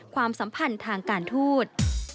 ความสัมพันธ์ทางการทูต